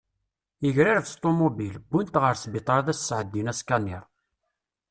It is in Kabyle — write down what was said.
Yegrareb s tumubil, wint ɣer sbiṭar ad as-sɛeddin askaniṛ.